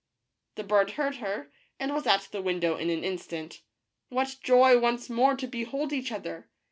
" The bird heard her, and was at the window in an instant. What joy once more to behold each other